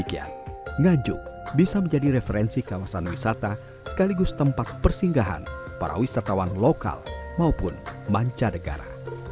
kepada kualitas pemerintah daerah sekaligus tempat persinggahan para wisatawan lokal maupun manca negara